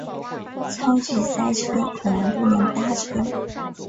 超级塞车，果然不能搭车